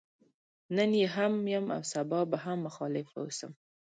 نن يې هم يم او سبا به هم مخالف واوسم.